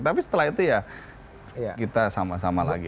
tapi setelah itu ya kita sama sama lagi